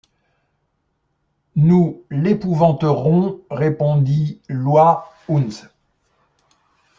Nous l’espouvanterons, respondit Loys unze.